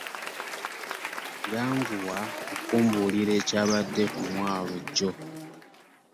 Yanguwa okumbuulira ekyabadde ku mwalo jjo.